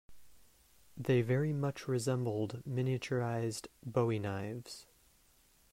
They very much resembled miniaturized Bowie knives.